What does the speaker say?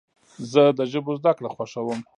زه د ژبونو زدهکړه خوښوم.